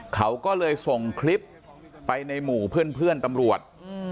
เขาก็เลยส่งคลิปไปในหมู่เพื่อนตำรวจ